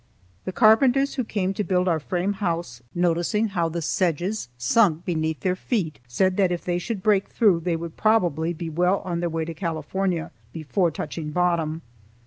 The carpenters who came to build our frame house, noticing how the sedges sunk beneath their feet, said that if they should break through, they would probably be well on their way to California before touching bottom.